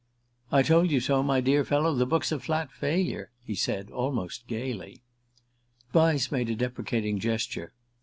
"I told you so, my dear fellow; the book's a flat failure," he said, almost gaily. Vyse made a deprecating gesture.